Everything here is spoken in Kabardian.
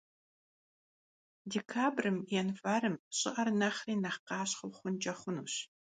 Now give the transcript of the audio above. Dêkabrım — yanvarım ş'ı'er nexhre nexh lhaxhşşe xhunç'e xhunuş.